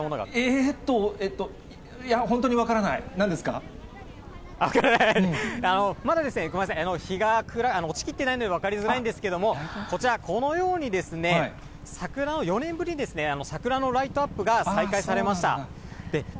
えーっと、いや、本当に分かまだですね、ごめんなさい、日が落ち切っていないので、分かりづらいんですけれども、こちら、このように桜の、４年ぶりに桜のライトアップが再開されました。